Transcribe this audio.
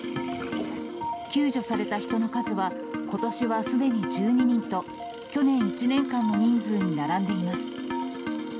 救助された人の数はことしはすでに１２人と、去年１年間の人数に並んでいます。